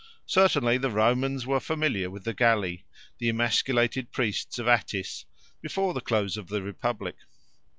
Certainly the Romans were familiar with the Galli, the emasculated priests of Attis, before the close of the Republic.